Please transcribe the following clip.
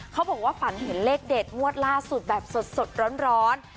เขาบอกว่าฝันเห็นเลขเด็ดมวดล่าสุดแบบสดร้อน